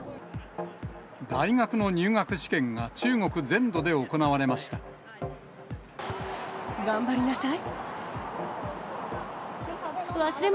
大学の入学試験が中国全土で頑張りなさい。